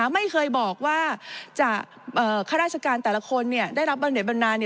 ไม่เคยบอกว่าข้าราชการแต่ละคนได้รับบรรเผณฑ์แบบนั้น